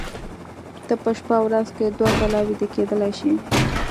ته په شپه ورځ کې دوه ځله ویده کېدلی شې